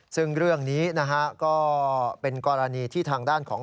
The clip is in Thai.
ซึ่งเรื่องนี้นะฮะก็เป็นกรณีที่ทางด้านของ